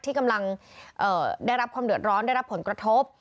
ที่กำลังได้รับความเดือดร้อนได้รับผลกระทบ